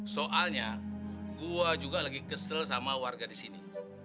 soalnya gua juga lagi kesel sama warga disini